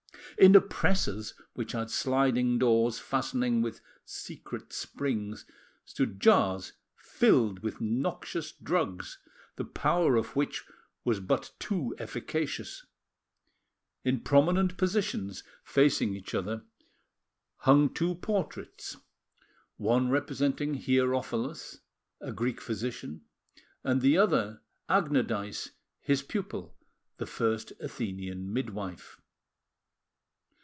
In the presses, which had sliding doors fastening with secret springs, stood Jars filled with noxious drugs, the power of which was but too efficacious; in prominent positions, facing each other, hung two portraits, one representing Hierophilos, a Greek physician, and the other Agnodice his pupil, the first Athenian midwife.